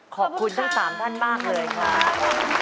ขอบคุณทั้ง๓ท่านมากเลยครับ